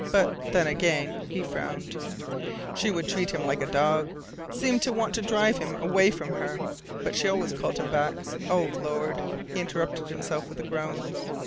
But then again," he frowned, "she would treat him like a dog. Seemed to want to drive him away from her but she always called him back Oh, Lord!" he interrupted himself with a groan.